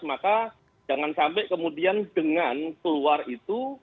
maka jangan sampai kemudian dengan keluar itu